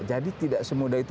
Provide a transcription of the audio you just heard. jadi tidak semudah itu